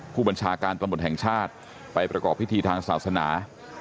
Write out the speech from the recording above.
ผู้บัญชาการตำรวจแห่งชาติไปประกอบพิธีทางศาสนา